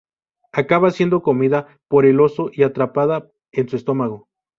Acaba siendo comida por el oso y atrapada en su estómago.